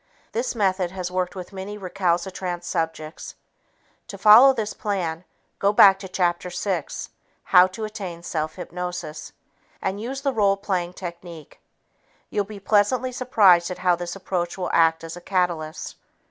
This method has worked with many recalcitrant subjects. To follow this plan, go back to chapter six, "How To Attain Self Hypnosis," and use the role playing technique. You'll be pleasantly surprised at how this approach will act as a catalyst.